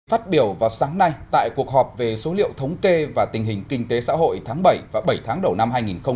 phát biểu vào sáng nay tại cuộc họp về số liệu thống kê và tình hình kinh tế xã hội tháng bảy và bảy tháng đầu năm hai nghìn hai mươi